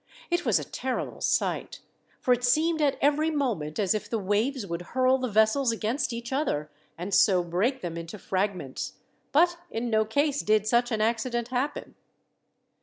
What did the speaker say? It was a terrible sight; for it seemed at every moment as if the waves would hurl the vessels against each other, and so break them into fragments; but in no case did such an accident happen."